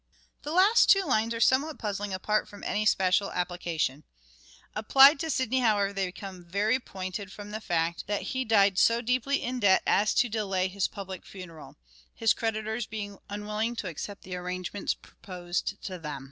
The last two lines are somewhat puzzling apart from any special application. Applied to Sidney, however, they become very pointed from the fact that he died " SHAKESPEARE " IDENTIFIED Sidney's debts. Sidney's plagiarism. so deeply in debt as to delay his public funeral ; his creditors being unwilling to accept the arrangements proposed to them.